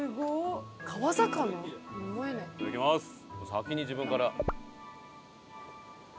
先に自分から。